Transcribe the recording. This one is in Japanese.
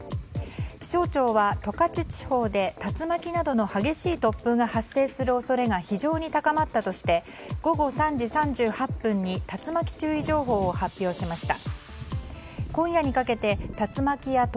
気象庁は十勝地方で竜巻などの激しい突風が発生する恐れが非常に高まったとして午後３時３８分に竜巻注意情報を発表しました。